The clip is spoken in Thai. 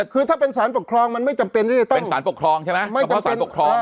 คือถ้าเป็นสารปกครองมันไม่จำเป็นเป็นสารปกครองใช่ไหม